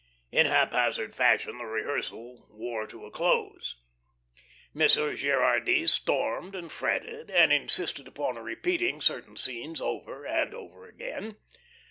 In haphazard fashion the rehearsal wore to a close. Monsieur Gerardy stormed and fretted and insisted upon repeating certain scenes over and over again.